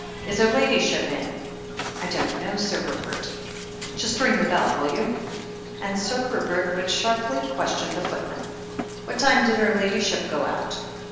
"Is her Ladyship in?" "I don't know, Sir Rupert." "Just ring the bell, will you ?" And Sir Rupert would sharply question the footman : "What time did her Ladyship go out?"